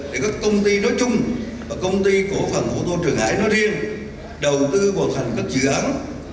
để các công ty nói chung và công ty cổ phần của tổ trưởng hải nói riêng đầu tư hoàn thành các dự án